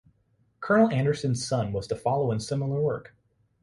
Colonel Anderson's son was to follow in similar work.